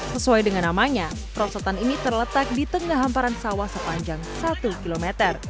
sesuai dengan namanya perosotan ini terletak di tengah hamparan sawah sepanjang satu km